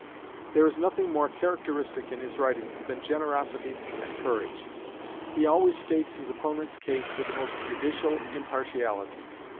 There is nothing more characteristic in his writings than generosity and courage. He always states his opponent's case with the most judicial impartiality.